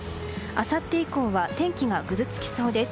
あさって以降は天気がぐずつきそうです。